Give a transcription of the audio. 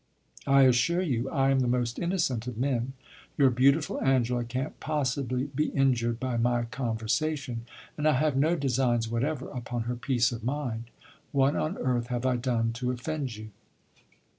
I assure you I am the most innocent of men. Your beautiful Angela can't possibly be injured by my conversation, and I have no designs whatever upon her peace of mind. What on earth have I done to offend you?"